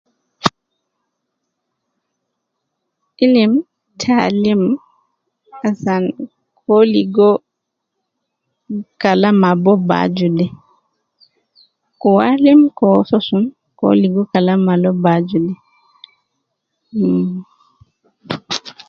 Ilim taalim asaan keoligo kalam abobaju de. Koalim ko so sun ?koligo kalam abobaaju de uhmm